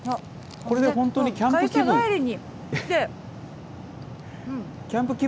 これで本当にキャンプ気分？